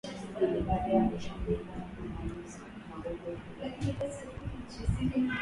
Wakati akihutubia Mkutano wa ishirini mbili wa Wakuu wa Nchi wa Jumuiya ya Afrika Mashariki mjini Arusha mwezi uliopita